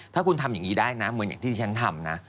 ถ้าคุณทำอย่างนี้ได้นะเหมือนอย่างที่ฉันทำนะ